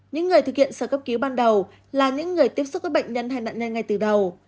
những người thực hiện sơ cấp cứu ban đầu là những người tiếp xúc với bệnh nhân hay nạn nhân ngay từ đầu